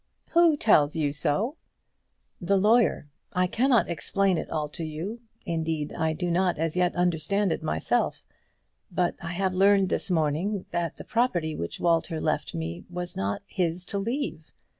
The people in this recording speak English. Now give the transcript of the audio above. "Who tells you so?" "The lawyer. I cannot explain it all to you; indeed, I do not as yet understand it myself; but I have learned this morning that the property which Walter left me was not his to leave.